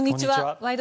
「ワイド！